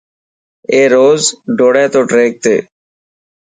اي روز ڊوڙي تو ٽريڪ تي .